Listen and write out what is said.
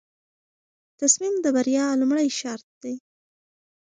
تصمیم د بریا لومړی شرط دی.